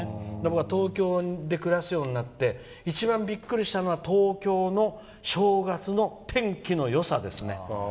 東京で暮らすようになって一番びっくりしたのは東京の正月の天気のよさですね。